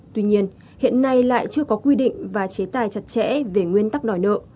tuy nhiên hiện nay lại chưa có quy định và chế tài chặt chẽ về nguyên tắc đòi nợ